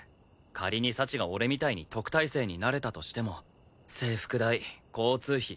仮に幸が俺みたいに特待生になれたとしても制服代交通費